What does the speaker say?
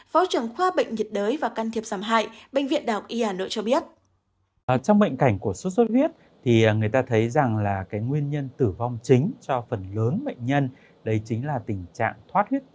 phó trưởng khoa bệnh nhiệt đới và can thiệp giảm hại bệnh viện đào y à nội cho biết